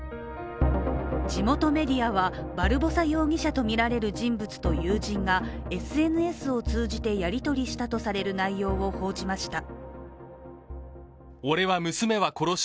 地元メディアは、バルボサ容疑者とみられる人物と友人がＳＮＳを通じてやり取りしたとされる内容を報じました。